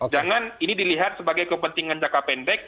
jangan ini dilihat sebagai kepentingan jangka pendek